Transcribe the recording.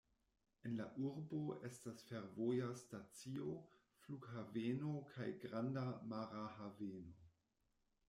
En la urbo estas fervoja stacio, flughaveno kaj granda mara haveno.